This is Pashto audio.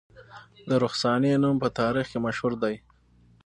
د رخسانې نوم په تاریخ کې مشهور دی